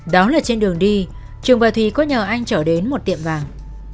đó là trên đường đi trường và thùy có nhờ anh trở đến một tiệm vàng